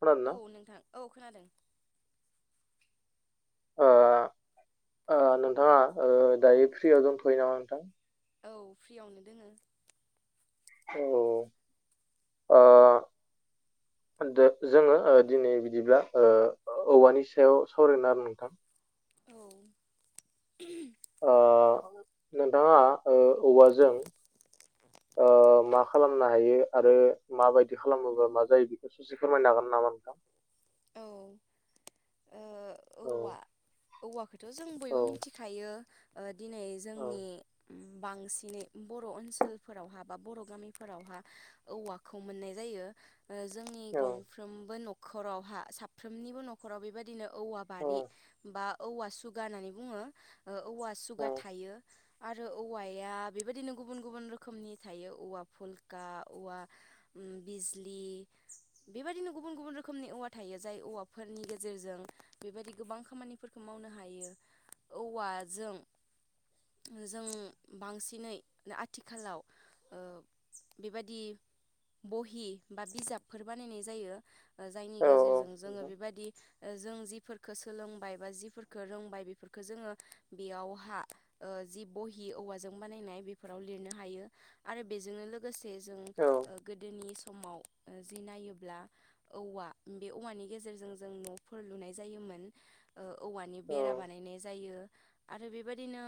खोनादोंना औ नोंथां औ खोनादों ओ ओ नोंथाङा ओ दायो फ्रियाव दंथ'यो नामा नोंथां? औ फ्रियावनो दोङो औ ओह [inaudible] द जोङो ओ दिनै बिदिब्ला ओ औवानि सायाव सावरायगोन आरो नोंथां औ ओ नोंथाङा ओ औवाजों [inaudible] ओ मा खालामनो हायो आरो माबायदि खालामोबा मा जायो बेखौ ससे फोरमायनो हागोन नामा नोंथां? औ औवा औ औवखौथ' जों औ बयबो मिथिखायो ओ दिनै औ जोंनि उम बांसिनै बर' ओनसोलफोरावहा बा बर' गामिफोरावहा औवाखौ मोननाय जायो। जोंनि गंफ्रोमबो न'खरावहा साफ्रोमनिबो न'खराव बेबायदिनो औवा औ बारि बा औवा सुगा होननानै बुङो औवा औ सुगा थायो। आरो औवाया बेबायदिनो गुबुन गुबुन रोखोमनि थायो औवा फुलक औवा बिजलि बेबायदिनो गुबुन गुबुन रोखोमनि औवा थायो जाय औवाफोरनि गेजेरजों बेबायदि गोबां खामानिफोरखौ मावनो हायो औवाजों जों बांसिनै आथिखालाव बेबादि बहि बा बिजाबफोर बानायनाय जायो। जायनि औ गेजेरजों जोङो नोंथां औ बेबायदि जों जि सोलोंबाय बा जिफोरखौ रोंबाय बेफोरखौ जोङो बेयावहा जि बहि औवाजों बानायनाय बेफोराव लिरनो हायो आरो बेजोंनो लोगोसे जों गोदोनि समाव जि नायोब्ला औवा बे औवानि गेजेरजों जों न'फोर लुनाय जायोमोन औवानि औ बेरा बानायनाय जायो आरो बेबायदिनो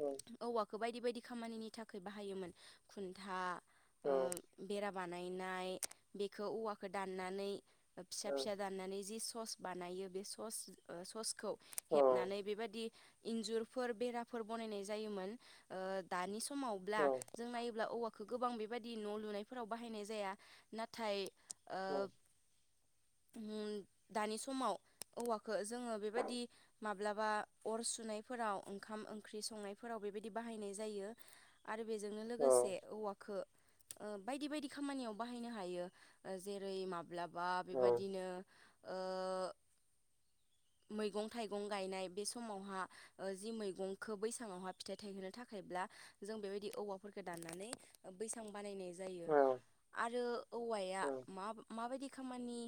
औ औवाखौ बायदि बायदि खामानिनि थाखाय बाहायोमोन खुन्था औ ओ बेरा बानायनाय बेखौ औवाखौ दाननानै फिसा फिसा दाननानै जि सस बानायो बे सस ससखौ हेबनानै बेबायदि इन्जुरफोर बेराफोर बनायनाय जायोन ओ दानि सम समावब्ला औ जों नायोब्ला औवाखौ गोबां बेबायदि न' लुनायफोराव बाहायनाय जाया नाथाय दानि समाव औवाखौ ओ जोङो बेबादि माब्लाबा अर सुनायफोराव ओंखाम ओंख्रि संनायफोराव बेबायदि बाहायनाय जायो। आरो बेजोंनो लोगोसे औवाखो ओ बायदि बायदि खामानियाव बाहायनो हायो ओ जेरै माब्लाबा औ बेबादिनो ओ मैगं थाइगं गायनाय बे समावहा ओ जि मैगंखो बैसाङावहा फिथाइ थायहोनो थाखायब्ला हा जों बेबायदि औवाफोरखो दनानै बैसां बानायनाय जायो औ आरो औवाया औ मा माबायदि खामानि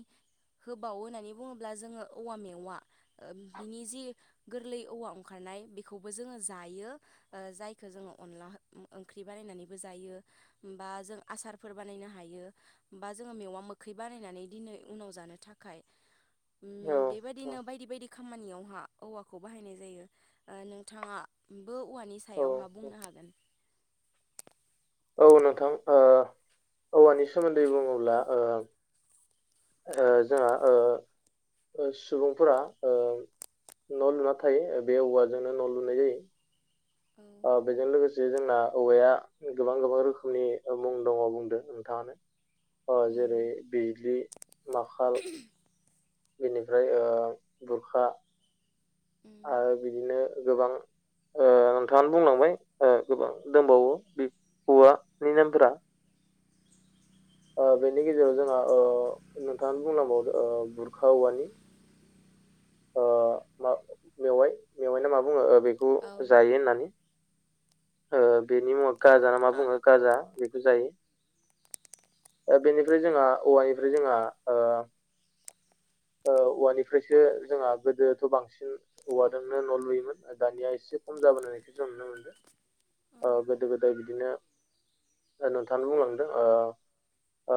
होबावो होननानै बुङोब्ला जोङो औवा मेवा ओ बिनि जि गोरलै औवा अंखारनाय बेखौबो जोङो जायो ओ जायखो जोङो अनला ओंख्रि बानायनानैबो जायो होमबा जों आ आसारफोर बानायनो हायो बा जोङो मेवा मोखै बानायनानै दिनै उनाव जानो थाखाय औ उम औ बेबायदिनो बायदि बायदि खामानियाव जोंहा औवाखौ बाहायनाय जायो नोंथाङा बो औवानि औ सायावहा बुंनो हागोन। औ नोंथां ओ औवानि सोमोन्दै बुङोब्ला ओ ओ जोंहा ओ सुबुंफोरा ओ न' लुना थायो बे औवाजोंनो न' लुनाय जायो। औ ओ बेजों लोगोसे जोंना औवाया गोबां गोबां रोखोमनि मुं दङ बुंदो नोंथाङानो अ' जेरै उम बिजलि माखाल बेनिफ्राय ओ बुरखा उम आरो बिदिनो गोबां ओम नोंथाङानो बुंलांबाय ओ गोबां दंबावो बे औवानि नेमफोरा ओ बेनि गेजेराव जोंहा ओ नोंथाङानो बुंलांबावदो ओ बुरखा औवानि [inaudible] ओ मा मेवाय मेवायना मा बुङो ओ बेखौ औ जायो होननानै ओ बेनि मुङा गाजा ना मा बुङो गाजा बेखौ जायो। बेनिफ्राय जोंहा औवानिफ्राय जोंहा ओ ओ औवानि फ्रायसो औवानिफ्रायसो जोंहा गोदोथ' बांसिन औवादोंनो न' लुयोमोन दानिया एसे खम जाबोनायखो जों नुनो मोनदो। औ ओ गोदो गोदाय बिदिनो नोंथाङानो बुंलांदों ओ ओ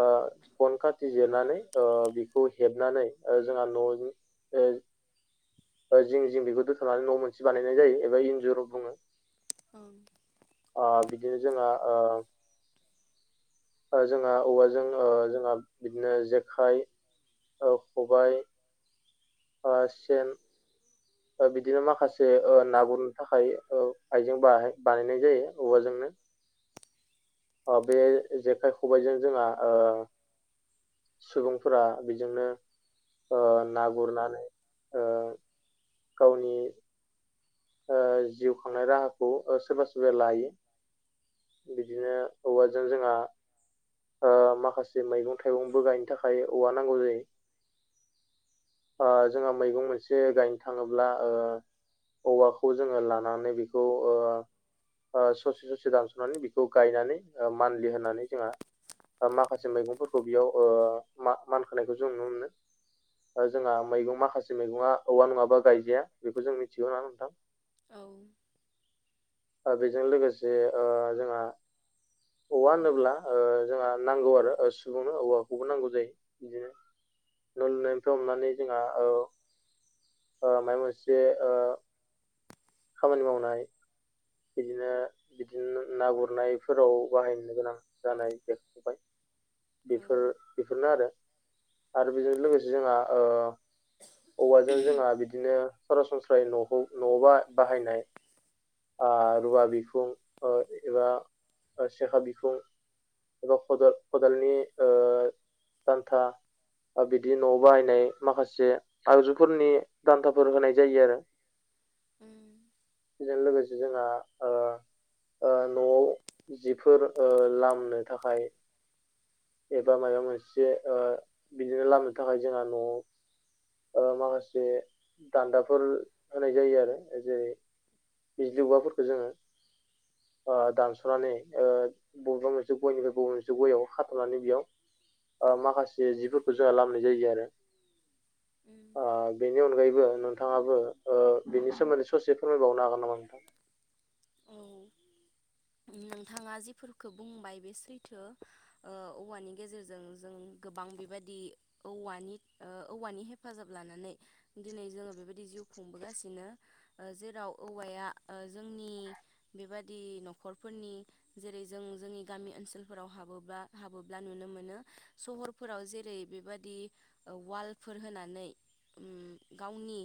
गन खाथि जिरनानै ओ बिखौ हेबनानै ओ जोंहा न'नि ओ ओ जिं जिं बेखौ दोथ'नानै न' मोनसे बानायनाय जायो एबा इन्जुर बुङो। औ ओ बिदिनो जोंहा ओ जो जोंहा औवाजों ओ जोंहा बिदिनो जेखाइ ओ खबाइ ओ सेन ओ बिदिनो माखासे ओ ना गुरनो थाखाय ओ आइजें बानायनाय जायो औवाजोंनो। [unintelligible] ओ बे जेखाइ खबाइजों जोंहा ओ सुबुंफोरा बिजोंनो ओ ना गुरनानै ओ गावनि ओ जिउ खांनाय राहाखौ ओ सोरबा सोरबा लायो। बिदिनो औवाजों जोंहा ओ माखासे मैगं थाइगंबो गायनो थाखाय औवा नांगौ जायो। ओ जोंहा मैगं मोनसे गायनो थाङोब्ला ओ औवाखौ जोङो लानानै बेखौ ओ ओ ससे ससे दानस'नानै बिखौ गायनानै ओ मानलि होननानै जोंहा माखासे मैगंफोरखौ बियाव ओ मा मानखोनायखौ जों नुनो मोनो। जोंहा मैगं माखासे मैगङा औवा नङाबा गायजाया बेखौ जों मिथिगौ ना नोंथां। औ बेजों लोगोसे ओ जोंहा औवा होनोब्ला ओ जोंहा नांगौ आरो सुबुंनो औवाखौबो नांगौ जायो। न लुनायनिफ्राय हमनानै जोंहा ओ ओ माबा मोनसे ओ खामानि मावनाय बिदिनो बिदिनो ना गुरनायफोराव बाहायनो गोनां जानाय जेखाय औ बेफोर बेफोरनोआरो आरो बेजों लोगोसे जोंहा ओ औवाजों जोंहा बिदिनो सरासनस्रायै नखौ नबा बाहायनाय ओ रुवा बिखुं ओ एबा सेखा बिखुं एबा खदाल खदालनि ओ दान्था ओ बिदि न'आव बाहायनाय माखासे आगजुफोरनि दान्थाफोर होनाय जायो आरो। उम बेजों लोगोसे जोंहा ओ ओ न'आव जिफोर ओ लामनो थाखाय एबा माबा मोनसे ओ बिदिनो लामनो थाखाय जोंहा न'आव ओ माखासे दान्दाफोर होनाय जायोआरो जेरै बिजौफोरखौ जोङो ओ दानसनानै ओ बबेबा मोनसे गयनिफ्राय बबेबा मोनसे गययाव खाथनानै बेयाव ओ माखासे जिफोरखौ जोंहा लामोनाय जायोआरो। उम ओ बेनि अनगायैबो नोंथाङाबो ओ बेनि सोमोन्दै ससे फोरमायबावनो हागोन नामा? [inaudible] औ नोंथाङा जिफोरखौ बुंबाय बे सैथो औवानि गेजेरजों जों गोबां बेबायदि औवानि ओ औवानि हेफाजाब लानानै दिनै जोङो बेबायदि जिउ खुं खुंबोगासिनो जेराव औवाया ओ जोंनि बेबादि नखरफोरनि जेरै जों जोंनि गामि ओनसोलफोराव हाबोब्ला हाबोब्ला नुनो मोनो सहरफोराव जेरै बेबादि वालफोर होनानै उम गावनि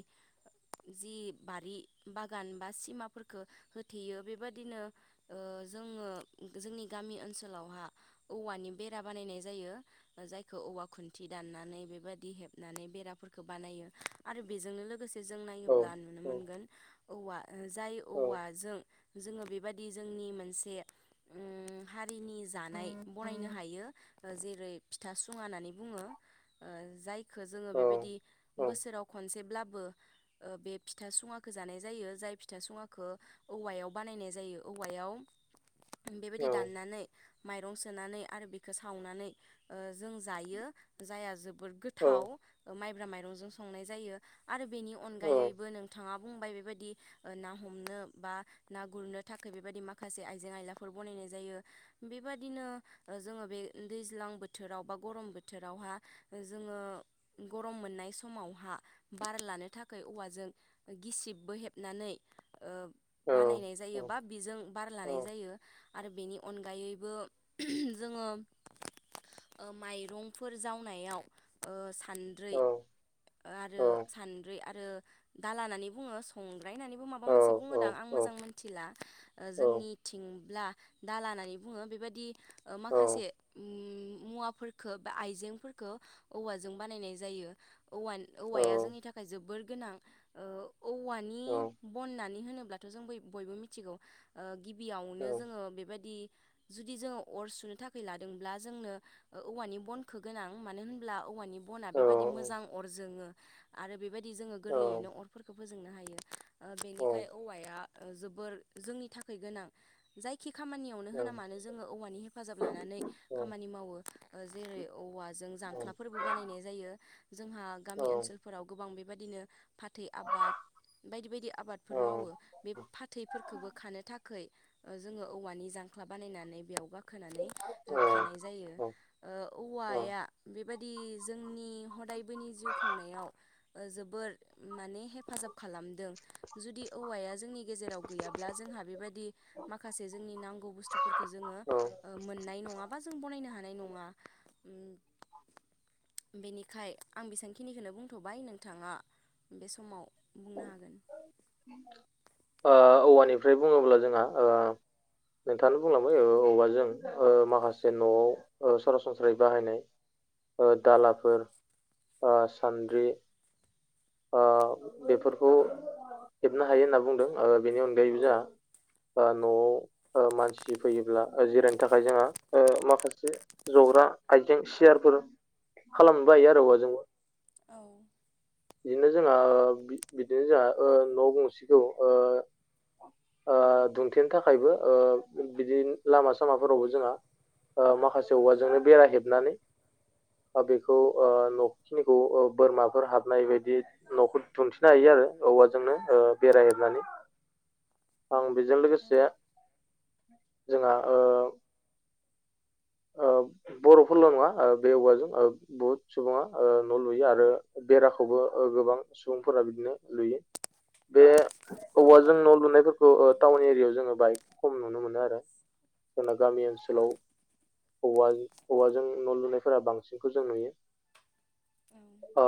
जि बारि बागान बा सिमाफोरखो हो थेयो बेबायाददिनो जोङो जोंनि गामि ओनसोलावहा औवानि बे बेरा बानायनाय जायो जायखौ औवा खुन्थि दाननानै बेबादि हेबनानै बेराफोरखौ बानायो। आरो बेजोंनो लोगोसे जों औ नायोब्ला नुनो औ मोनगोन औवा जाय औ औवाजों जोङो बेबादि जोंनि मोनसे उम हारिनि जानाय बनायनो हायो जेरै फिथा सुङानानै बुङो ओ जायखो जोंङो औ बेबायदि बोसोराव खनसेब्ला बो बे फिथा सुङाखो जानाय जायो जाय फिथा सुङाखो औवायाव बानायनाय जायो। औवायाव बेबायदि दाननानै माइ माइरं सोनानै आरो बेखो सावनानै ओ जों जायो जायहा जोबोद औ गोथाव माइब्रा माइरंजों संनाय जायो आरो बेनि औ अनगायैबो नोंथाङा बुंबाय बेबायदि ना हमनो बा ना गुरनो थाखाय बेबायदि माखासे आइजें आयलाफोर बनायनाय जायो बेबादिनो ओ जोङो बे दैज्लां बोथोराव बा गरम बोथोरावहा जोंङो गम मोननाय समावहा बार लानो थाखाय औवाजों गिसिबबो हेबनानै ओ औ बानायनाय जायो बा बेजों बार लानाय जायो। आरो बेनि अनगायैबो जोङो ओ माइरंफोर जावनायाव ओ औ सानद्रै आरो औ सान आरो दाला होननानै बुङो संराय होननानैबो माबा मोनसे बुङोदां आं औ मोजाङै मोन्थिला। ओ औ जोंनि थिंब्ला दाला होननानै बुङो बेबादि ओ औ माखासे मुवाफोर फोरखो आइजेंफोरखो औवाजों बानायनाय जायो औवा औ औवाया जोंनि थाखाय जोबोर गोनां ओ औवानि औ बननानै मानो होनोब्लाथ' जों बयबो मिथिगौ ओ औ गिबियावनो जोङो बेबायदि जुदि जोङो अर सुनो थाखाय लादोंब्ला जोंनो ओ औवानि बनखो गोनां मानो होनब्ला औवानि बना औ बेबायदि मोजां अर जोङो आरो बेबायदि जोङो औ गोरलैयैनो अरफोरखो फोजोंनो हायो ओ औ बेनिखायनो औवाया जोबोर जोंनि थाखाय गोनां जायखि खामानियावनो होना औ मानो जोङो औवानि हेफाजाब लानानै खामानि मावो ओ जेरै औवाजों जांख्लाफोरबो बानायनाय जायो जोंहा औ गामि ओनसोलफोराव गोबां बेबादिनो फाथै आबाद बायदि बायदि आबादफोर मावो बे फाथैफोरखोबो खानो थाखै ओ जोङो औवानि जां ख्ला बानायनानै बेयाव गाखोनानै खानाय जायो ओ औवाया बेबादि जोंनि हदायबोनि जिउ खुंनायाव ओ जोबोर माने हेफाजाब खालामदों जुदि औवाया जोंनि गेजेराव गैयाब्ला जोंहा बेबायदि माखासे जोंनि नांगौ बुस्थुफोरखो जोङो औ ओ मोननाय नङा बा जों बनायनो हानाय नङा बेनि बेखाय आं बेसेबांखिनिखोनो बुंथ'बाय नोंथाङा बे समाव बुंनो हागोन ओ औवानिफ्राय बुङोब्ला जोंहा ओ नोंथाङानो बुंलांबाय ओ औवाजों ओ माखासे न'आव ओ सरासनस्रायै बाहायनाय ओ दालाफोर ओ सान्द्रि ओ बेफोरखौ हेबनो हायो होनना बुंदों ओ बेनि अनगायैबो जा ओ न'आव ओ मानसि फैयोब्ला ओ जिरायनो थाखाय जोंहा ओ माखासे ज आइजें सियारफोर खालामनोबो हायो आरो औवाजोंबो औ बिदिनो जोंहा बिदिनो जोंहा ओ न' गंसेखौ ओ [unintelligible] ओ दुंथेनो थाखायबो ओ बिदि लामा सामाफोरावबो जोंहा ओ माखासे औवाजोंनो बेरा हेबनानै बा बेखौ ओ न'खिनिखौ ओ बोरमाफोर हाबनाय बायदि न'खौ दुमथिनो हायो औवाजोंनो ओ बेराहेबनानै आं बेजों लोगोसे जोंहा ओ ओ [unintelligible] बर'फोरल' नङा ओ बे औवाजों बुहुत सुबुङा ओ न' लुयो आरो बेराखौबो गोबां सुबुंफोरा बिदिनो लुयो। बे औवाजों न' लुनायफोरखौ ओ टाउन एरियायाव जोङो बाहाय खम नुनो मोनो आरो जोंना गामि ओनसोलाव औवा औवाजों न' लुनायफोरा बांसिनखौ जों नुयो। औ ओ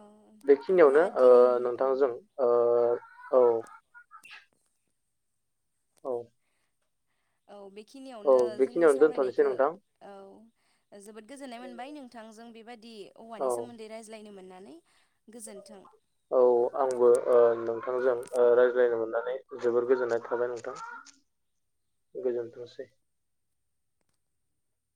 औ अब्ला बेखिनियावनो ओ दिनैनि औ नोंथांजों ओ औ औ औ बे खिनियावनो औ जोंनि बेखिनियावनो दोनथ'नोसै सावरायनायखो नोंथां औ जोबोद गोजोन्नाय मोनबाय नोंथांजों बेबायदि औवानि औ सोमोन्दै रायज्लायनो मोननानै गोजोन्थों। औ आंबो ओ नोंथांजों ओ रायज्लायनो मोननानै जोबोर गोजोननाय थाबाय नोंथां। गोजोनथोंसै